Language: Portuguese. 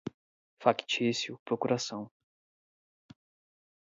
factício, procuração